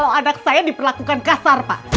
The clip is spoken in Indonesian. kalau anak saya diperlakukan kasar pak